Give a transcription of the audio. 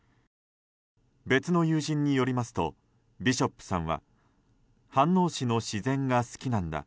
別の友人によりますとビショップさんは飯能市の自然が好きなんだ